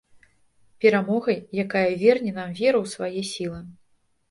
Перамогай, якая верне нам веру ў свае сілы.